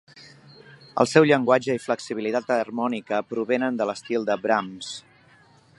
El seu llenguatge i flexibilitat harmònica provenen de l'estil de Brahms.